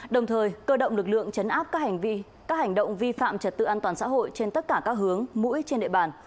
đồng thời cơ động lực lượng chấn áp các hành động vi phạm trật tự an toàn xã hội trên tất cả các hướng mũi trên địa bàn